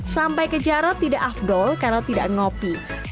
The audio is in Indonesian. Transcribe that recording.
sampai ke jarod tidak afdol karena tidak ngopi